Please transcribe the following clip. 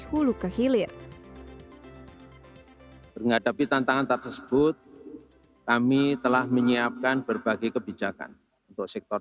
hai menghadapi tantangan tersebut kami telah menyiapkan berbagai kebijakan untuk sektor